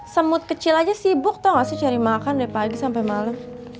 semut kecil aja sibuk atau nggak sih cari makan dari pagi sampai malam